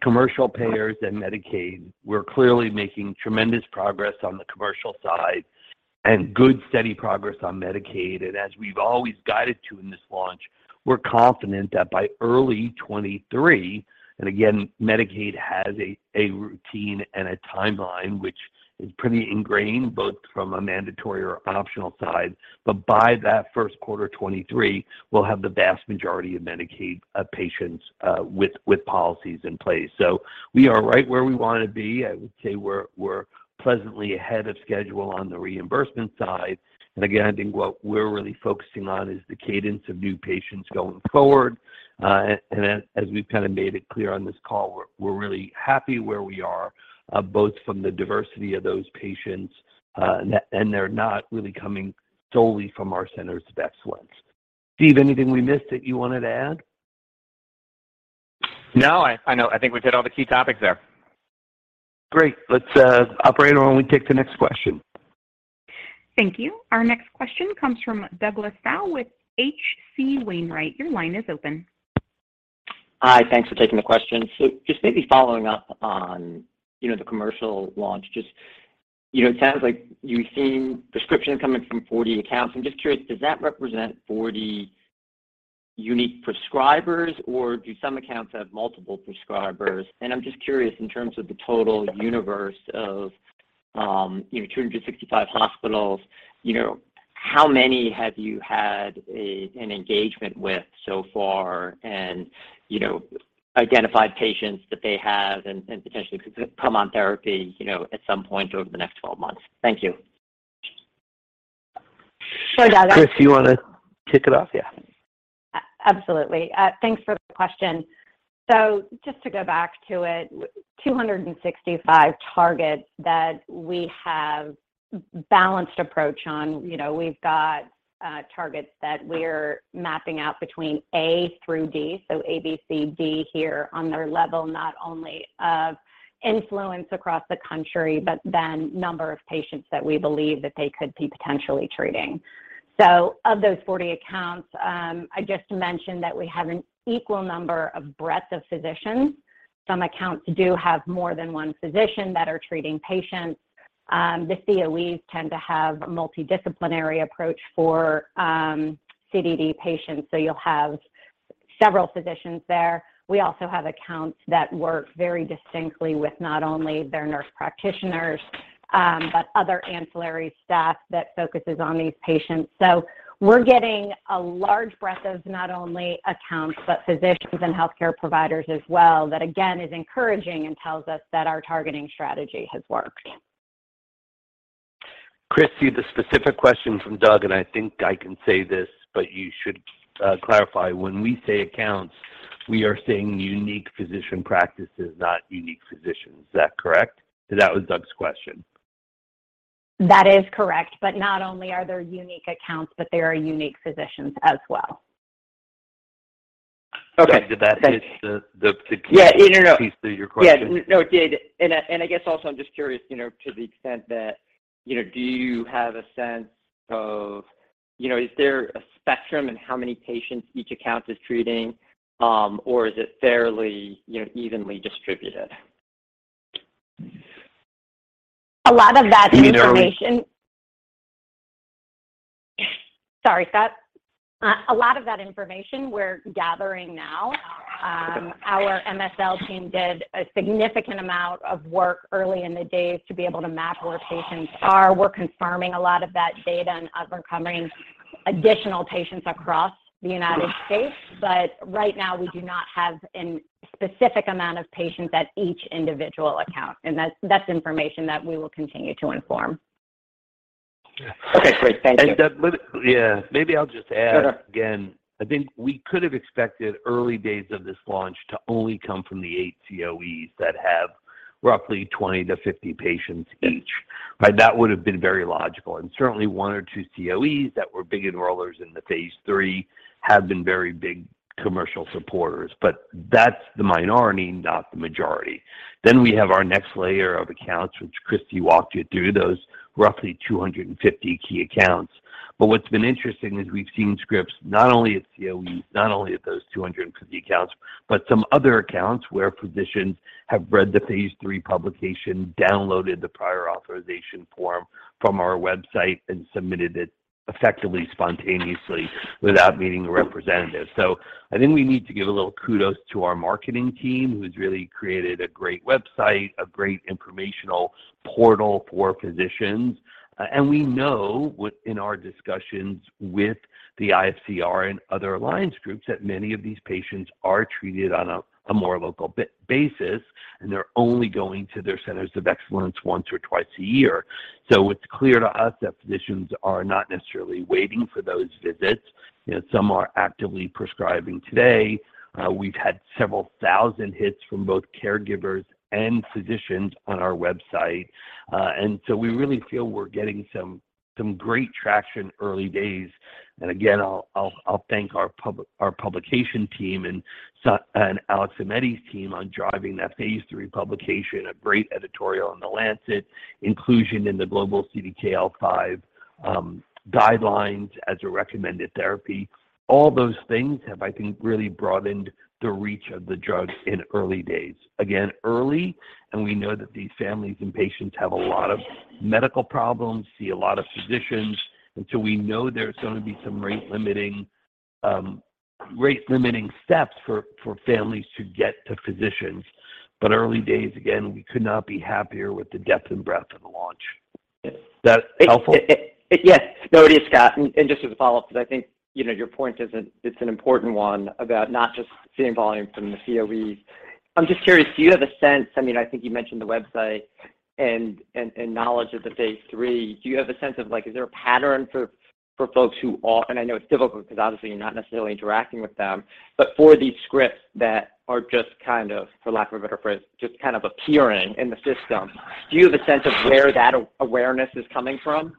commercial payers and Medicaid, we're clearly making tremendous progress on the commercial side and good, steady progress on Medicaid. As we've always guided to in this launch, we're confident that by early 2023, again, Medicaid has a routine and a timeline which is pretty ingrained, both from a mandatory or optional side. By that first quarter 2023, we'll have the vast majority of Medicaid patients with policies in place. We are right where we want to be. I would say we're pleasantly ahead of schedule on the reimbursement side. Again, I think what we're really focusing on is the cadence of new patients going forward. As we've kind of made it clear on this call, we're really happy where we are, both from the diversity of those patients, and they're not really coming solely from our centers of excellence. Steve, anything we missed that you wanted to add? No, I think we've hit all the key topics there. Great. Let's, Operater on when we take the next question. Thank you. Our next question comes from Douglas Tsao with H.C. Wainwright. Your line is open. Thanks for taking the question. Just maybe following up on the commercial launch, it sounds like you've seen prescriptions coming from 40 accounts. I'm just curious, does that represent 40 unique prescribers, or do some accounts have multiple prescribers? I'm just curious in terms of the total universe of 265 hospitals, how many have you had an engagement with so far and identified patients that they have and potentially could come on therapy at some point over the next 12 months? Thank you. Sure, Douglas. Christy, you want to kick it off? Yeah. Absolutely. Thanks for the question. Just to go back to it, 265 targets that we have balanced approach on. We've got targets that we're mapping out between A through D, A, B, C, D here on their level, not only of influence across the country, number of patients that we believe that they could be potentially treating. Of those 40 accounts, I just mentioned that we have an equal number of breadth of physicians. Some accounts do have more than one physician that are treating patients. The COEs tend to have a multidisciplinary approach for CDD patients, you'll have several physicians there. We also have accounts that work very distinctly with not only their nurse practitioners other ancillary staff that focuses on these patients. We're getting a large breadth of not only accounts, but physicians and healthcare providers as well. That, again, is encouraging and tells us that our targeting strategy has worked. Christy, the specific question from Douglas, I think I can say this, but you should clarify. When we say accounts, we are saying unique physician practices, not unique physicians. Is that correct? That was Douglas's question. That is correct. Not only are there unique accounts, but there are unique physicians as well. Okay. Yeah key piece to your question? Yeah. No, it did. I guess also, I'm just curious, to the extent that, do you have a sense of Is there a spectrum in how many patients each account is treating? Or is it fairly evenly distributed? A lot of that information. You know, we. Sorry, Scott. A lot of that information we're gathering now. Our MSL team did a significant amount of work early in the days to be able to map where patients are. We're confirming a lot of that data and uncovering additional patients across the U.S. Right now, we do not have any specific amount of patients at each individual account, and that's information that we will continue to inform. Okay, great. Thank you. Doug, yeah, maybe I'll just add. Sure again. I think we could have expected early days of this launch to only come from the eight COEs that have roughly 20-50 patients each. Right? That would've been very logical. Certainly, one or two COEs that were big enrollers in the phase III have been very big commercial supporters, but that's the minority, not the majority. We have our next layer of accounts, which Christy walked you through, those roughly 250 key accounts. What's been interesting is we've seen scripts not only at COEs, not only at those 250 accounts, but some other accounts where physicians have read the phase III publication, downloaded the prior authorization form from our website, and submitted it effectively spontaneously without meeting a representative. I think we need to give a little kudos to our marketing team, who's really created a great website, a great informational portal for physicians. We know in our discussions with the IFCR and other alliance groups, that many of these patients are treated on a more local basis, and they're only going to their centers of excellence once or twice a year. It's clear to us that physicians are not necessarily waiting for those visits. Some are actively prescribing today. We've had several thousand hits from both caregivers and physicians on our website. We really feel we're getting some great traction early days. Again, I'll thank our publication team and Alex Aimetti's team on driving that phase III publication, a great editorial in "The Lancet," inclusion in the global CDKL5 guidelines as a recommended therapy. All those things have, I think, really broadened the reach of the drug in early days. Again, early, we know that these families and patients have a lot of medical problems, see a lot of physicians, we know there's going to be some rate limiting steps for families to get to physicians. Early days, again, we could not be happier with the depth and breadth of the launch. Is that helpful? Yes. No, it is, Scott. Just as a follow-up, because I think your point, it's an important one about not just seeing volume from the COEs. I'm just curious, do you have a sense I think you mentioned the website and knowledge of the phase III. Do you have a sense of, is there a pattern for folks who are I know it's difficult because obviously you're not necessarily interacting with them, but for these scripts that are just kind of, for lack of a better phrase, just kind of appearing in the system, do you have a sense of where that awareness is coming from?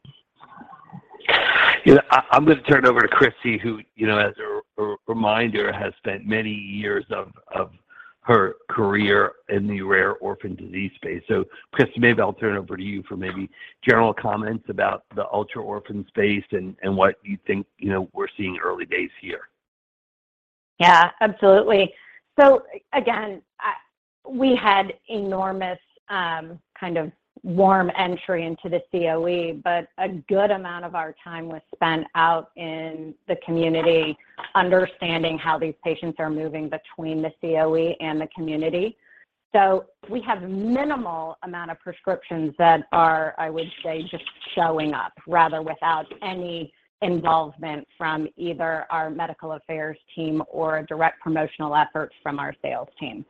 I'm going to turn it over to Christy, who, as a reminder, has spent many years of her career in the rare orphan disease space. Christy, maybe I'll turn it over to you for maybe general comments about the ultra-orphan space and what you think we're seeing early days here. Yeah, absolutely. Again, we had enormous kind of warm entry into the COE, but a good amount of our time was spent out in the community understanding how these patients are moving between the COE and the community. We have minimal amount of prescriptions that are, I would say, just showing up rather without any involvement from either our medical affairs team or direct promotional efforts from our sales team.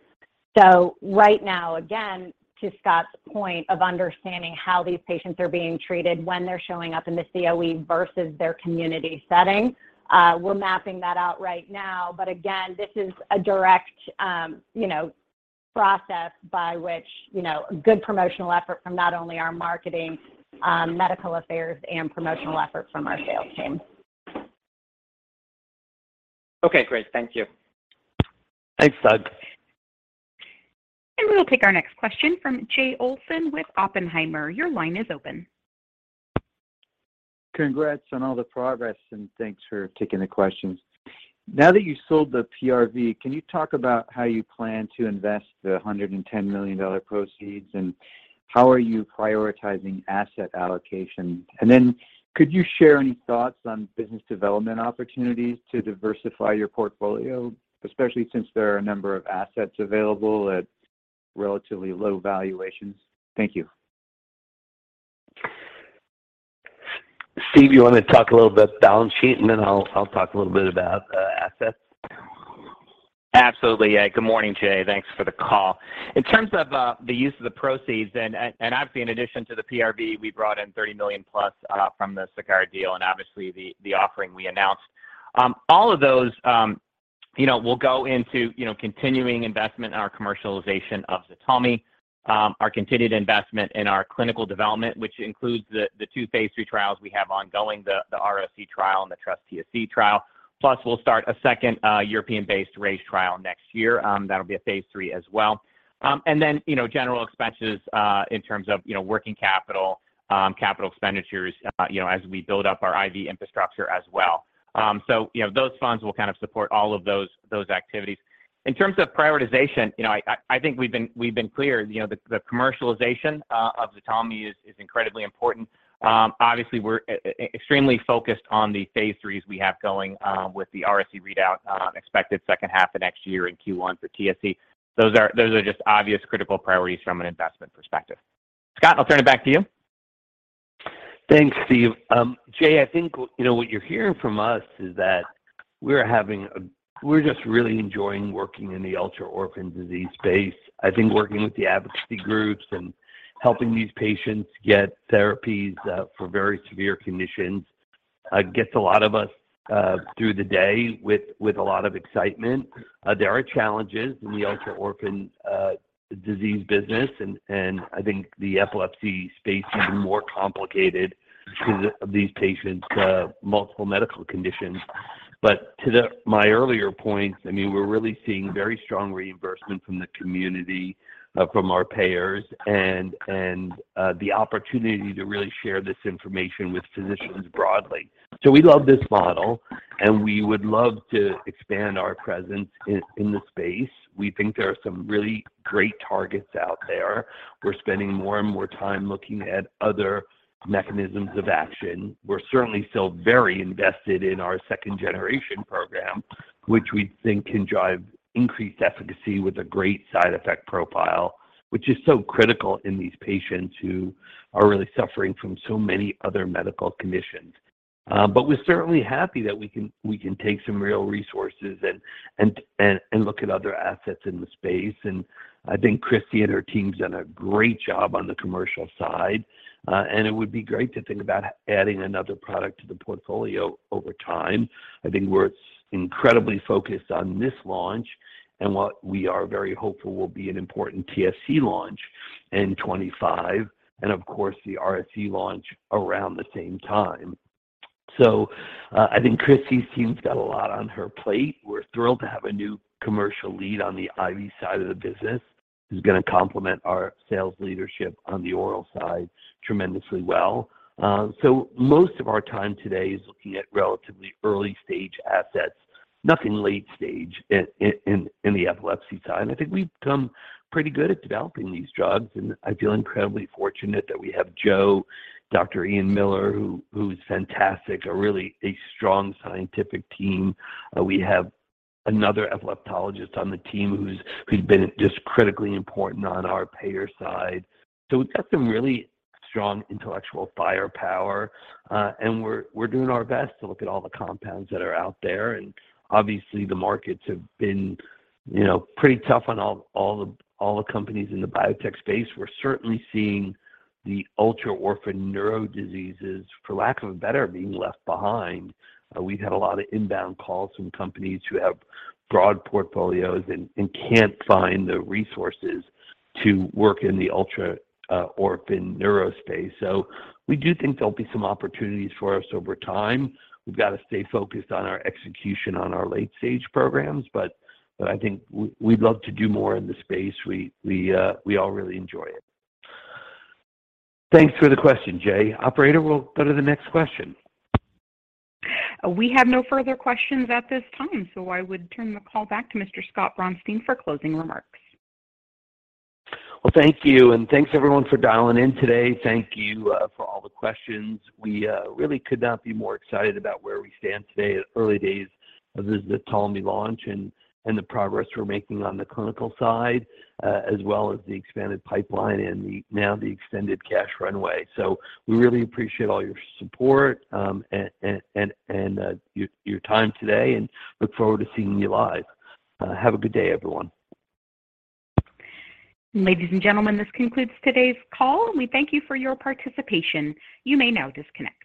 Right now, again, to Scott's point of understanding how these patients are being treated when they're showing up in the COE versus their community setting, we're mapping that out right now. Again, this is a direct process by which a good promotional effort from not only our marketing, medical affairs and promotional efforts from our sales team. Okay, great. Thank you. Thanks, Doug. We will take our next question from Jay Olson with Oppenheimer. Your line is open. Congrats on all the progress, thanks for taking the questions. Now that you sold the PRV, can you talk about how you plan to invest the $110 million proceeds, how are you prioritizing asset allocation? Could you share any thoughts on business development opportunities to diversify your portfolio, especially since there are a number of assets available at relatively low valuations? Thank you. Steve, you want to talk a little bit balance sheet, then I'll talk a little bit about assets? Absolutely. Good morning, Jay. Thanks for the call. In terms of the use of the proceeds, in addition to the PRV, we brought in $30 million plus from the Sagard deal, the offering we announced. All of those will go into continuing investment in our commercialization of ZTALMY, our continued investment in our clinical development, which includes the two phase III trials we have ongoing, the RAISE trial and the TrustTSC trial. We'll start a second European-based RAISE trial next year. That'll be a phase III as well. General expenses in terms of working capital expenditures, as we build up our IV infrastructure as well. Those funds will support all of those activities. In terms of prioritization, I think we've been clear, the commercialization of ZTALMY is incredibly important. We're extremely focused on the phase IIIs we have going with the RAISE readout expected second half of next year in Q1 for TSC. Those are just obvious critical priorities from an investment perspective. Scott, I'll turn it back to you. Thanks, Steve. Jay, I think what you're hearing from us is that we're just really enjoying working in the ultra-orphan disease space. I think working with the advocacy groups and helping these patients get therapies for very severe conditions gets a lot of us through the day with a lot of excitement. There are challenges in the ultra-orphan disease business, and I think the epilepsy space is more complicated because of these patients' multiple medical conditions. To my earlier points, we're really seeing very strong reimbursement from the community, from our payers, and the opportunity to really share this information with physicians broadly. We love this model, and we would love to expand our presence in the space. We think there are some really great targets out there. We're spending more and more time looking at other mechanisms of action. We're certainly still very invested in our second-generation program, which we think can drive increased efficacy with a great side effect profile, which is so critical in these patients who are really suffering from so many other medical conditions. We're certainly happy that we can take some real resources and look at other assets in the space. I think Christy and her team's done a great job on the commercial side. It would be great to think about adding another product to the portfolio over time. I think we're incredibly focused on this launch and what we are very hopeful will be an important TSC launch in 2025, and of course, the RSE launch around the same time. I think Christy's team's got a lot on her plate. We're thrilled to have a new commercial lead on the IV side of the business, who's going to complement our sales leadership on the oral side tremendously well. Most of our time today is looking at relatively early-stage assets, nothing late stage in the epilepsy side. I think we've become pretty good at developing these drugs, and I feel incredibly fortunate that we have Joe, Dr. Ian Miller, who's fantastic, so really a strong scientific team. We have another epileptologist on the team who's been just critically important on our payer side. We've got some really strong intellectual firepower, and we're doing our best to look at all the compounds that are out there. Obviously, the markets have been pretty tough on all the companies in the biotech space. We're certainly seeing the ultra-orphan neuro diseases, for lack of a better, being left behind. We've had a lot of inbound calls from companies who have broad portfolios and can't find the resources to work in the ultra-orphan neuro space. We do think there'll be some opportunities for us over time. We've got to stay focused on our execution on our late-stage programs, I think we'd love to do more in the space. We all really enjoy it. Thanks for the question, Jay. Operator, we'll go to the next question. We have no further questions at this time. I would turn the call back to Mr. Scott Braunstein for closing remarks. Well, thank you. Thanks everyone for dialing in today. Thank you for all the questions. We really could not be more excited about where we stand today in the early days of the ZTALMY launch and the progress we're making on the clinical side, as well as the expanded pipeline and now the extended cash runway. We really appreciate all your support and your time today and look forward to seeing you live. Have a good day, everyone. Ladies and gentlemen, this concludes today's call. We thank you for your participation. You may now disconnect.